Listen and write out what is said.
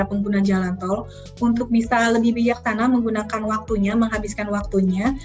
pengguna jalan tol untuk bisa lebih bijaksana menggunakan waktunya menghabiskan waktunya